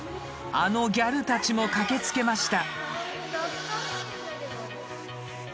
あのギャルたちも駆けつけました。